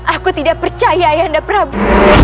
aku tidak percaya ayande prabu